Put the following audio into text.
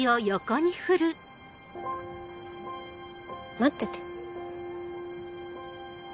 待ってて。